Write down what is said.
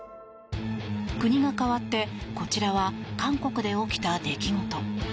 国が変わってこちらは韓国で起きた出来事。